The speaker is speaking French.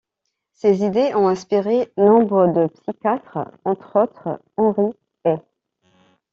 Ses idées ont inspiré nombre de psychiatres, entre autres Henri Ey.